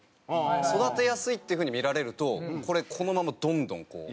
育てやすいっていう風に見られるとこれこのままどんどんこう。